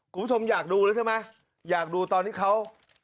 คุณผู้ชมอยากดูแล้วใช่ไหมอยากดูตอนที่เขา